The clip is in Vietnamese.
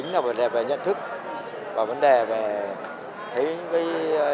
nó rất nhàng nhàng và tên nhị